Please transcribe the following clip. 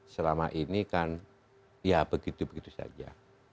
selama ini kan ya begitu begitu saja